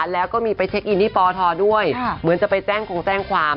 แล้วก็มีไปเช็คอินที่ปทด้วยเหมือนจะไปแจ้งคงแจ้งความ